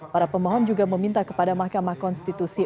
para pemohon juga meminta kepada mahkamah konstitusi